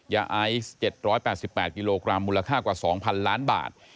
ยาไอซ์๗๘๘กิโลกรัมมูลค่ากว่า๒๐๐๐ล้านบาท